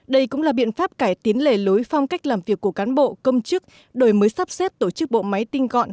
đây cũng là biện pháp cải tiến lề lối phong cách làm việc của cán bộ công chức đổi mới sắp xếp tổ chức bộ máy tinh gọn